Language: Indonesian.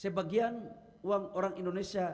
sebagian uang orang indonesia